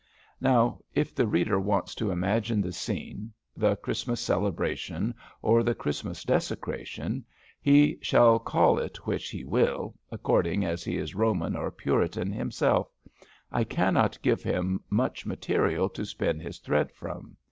Now, if the reader wants to imagine the scene, the Christmas celebration or the Christmas desecration, he shall call it which he will, according as he is Roman or Puritan himself, I cannot give him much material to spin his thread from.